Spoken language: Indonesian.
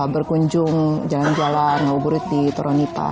berkunjung jalan jalan ngabuburit di toronita